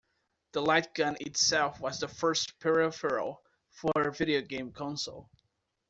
The light gun itself was the first peripheral for a video game console.